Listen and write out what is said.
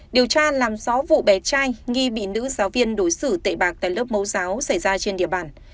điều tra làm rõ vụ bé trai nghi bị nữ giáo viên đối xử tệ bạc tại lớp mẫu giáo xảy ra trên địa bàn